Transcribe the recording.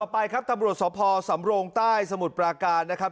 ไปครับตำรวจสพสำโรงใต้สมุทรปราการนะครับ